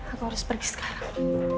aku harus pergi sekarang